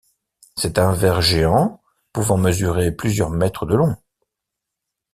C'est un ver géant, pouvant mesurer plusieurs mètres de long.